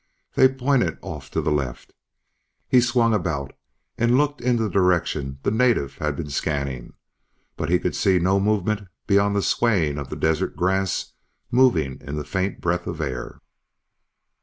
They pointed off to the left. He swung about and looked in the direction the native had been scanning, but he could see no movement beyond the swaying of the desert grass moving in the faint breath of air.